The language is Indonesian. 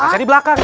saya di belakang